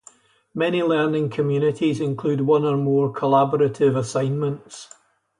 Many learning communities include one or more collaborative assignments.